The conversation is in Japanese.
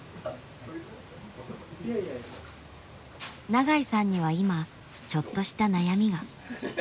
長井さんには今ちょっとした悩みが。